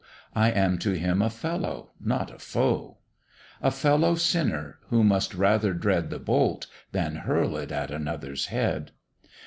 I am to him a fellow, not a foe, A fellow sinner, who must rather dread The bolt, than hurl it at another's head.